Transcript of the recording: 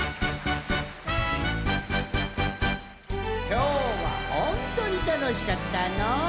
きょうはほんとにたのしかったのう。